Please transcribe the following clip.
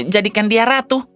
jadikan dia ratu